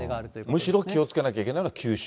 むしろ気をつけなきゃいけないのは九州？